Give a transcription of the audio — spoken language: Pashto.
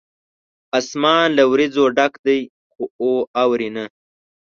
اسمان له وریځو ډک دی ، خو اوري نه